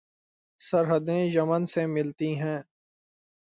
سرحدیں یمن سے ملتی ہیں